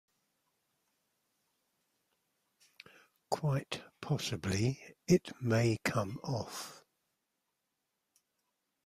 Quite possibly it may come off.